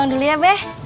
ganti gak bang